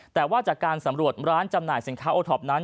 แต่ว่าจากการสำรวจร้านจำหน่ายสินค้าโอท็อปนั้น